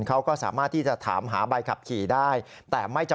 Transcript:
เขาก็สามารถที่จะถามหาใบขับขี่ได้